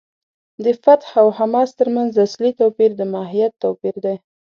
د فتح او حماس تر منځ اصلي توپیر د ماهیت توپیر دی.